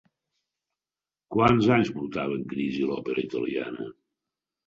Quants anys portava en crisi l'òpera italiana?